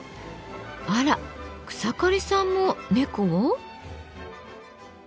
あら草刈さんも猫を？